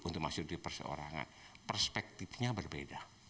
untuk masuk di perseorangan perspektifnya berbeda